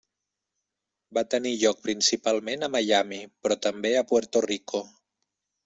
Va tenir lloc principalment a Miami, però també a Puerto Rico.